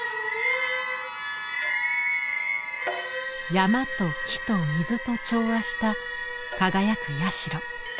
山と木と水と調和した輝く社。